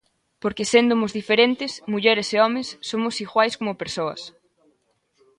Porque séndomos diferentes, mulleres e homes, somos iguais como persoas.